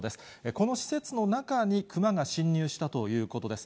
この施設の中にクマが侵入したということです。